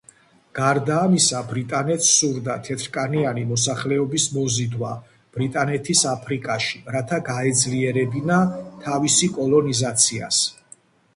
გარდა ამისა ბრიტანეთს სურდა თეთრკანიანი მოსახლეობის მოზიდვა ბრიტანეთის აფრიკაში, რათა გაეძლიერებინა თავისი კოლონიზაციას.